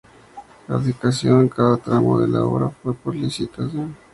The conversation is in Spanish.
La adjudicación de cada tramo de la obra fue por licitación.